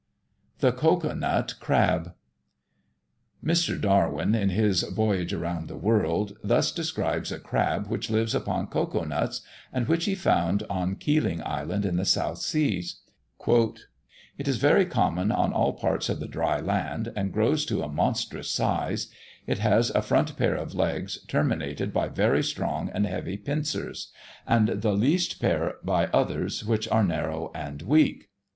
THE COCOA NUT CRAB. M. Darwin in his Voyage round the World, thus describes a Crab which lives upon Cocoa nuts, and which he found on Keeling Island, in the South Seas: "It is very common on all parts of the dry land, and grows to a monstrous size; it has a front pair of legs, terminated by very strong and heavy pincers, and the least pair by others which are narrow and weak.